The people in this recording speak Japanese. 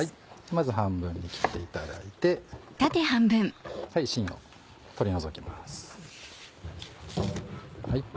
まず半分に切っていただいて芯を取り除きます。